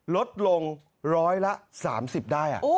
ลดลงร้อยละสามสิบได้อ่ะ